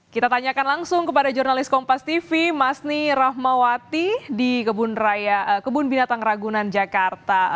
kita tanyakan langsung kepada jurnalis kompas tv masni rahmawati di kebun binatang ragunan jakarta